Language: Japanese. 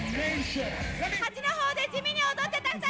端のほうで地味に踊ってた２人。